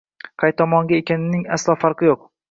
Qay tomonga ekanining aslo farqi yo’q.